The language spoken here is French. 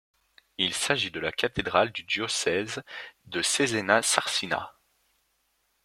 Il s'agit de la cathédrale du diocèse de Cesena-Sarsina.